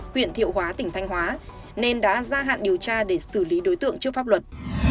huyện thiệu hóa tỉnh thanh hóa nên đã ra hạn điều tra để xử lý đối tượng trước pháp luật